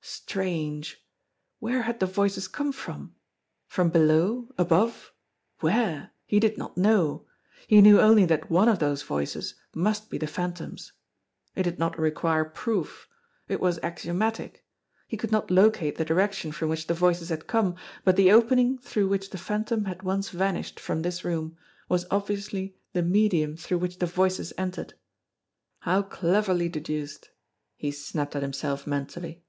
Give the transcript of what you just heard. Strange ! Where had the voices come from ? From below, above where? He did not know. He knew only that one of those voices must be the Phantom's. It did not require proof. It was axiomatic. He could not locate the direction from which the voices had come, but the open ing through which the Phantom had once vanished from this room was obviously the medium through which the voices entered. How cleverly deduced! He snapped at himself mentally.